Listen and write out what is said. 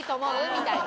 みたいな。